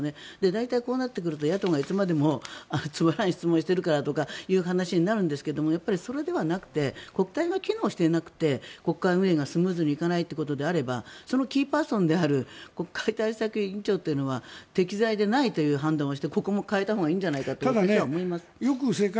大体こうなってくると野党がいつまでもつまらない質問をしているからという話になるんですがそれではなくて国対が機能していなくて国会運営がスムーズにいかないのであればそのキーパーソンでは国会対策委員長というのは適材でないという判断をしてここも変えたほうがいいんじゃないか。